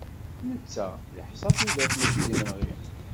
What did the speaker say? Netta yeḥsa tudert maci d imenɣi.